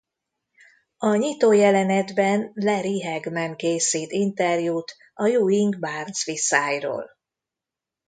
A nyitójelenetben Larry Hagman készít interjút a Ewing–Barnes viszályról.